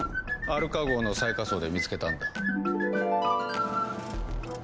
アルカ号の最下層で見つけたんだ。